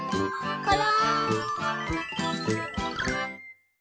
これ！